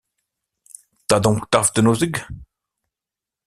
T’as donc tafe de nozigues ?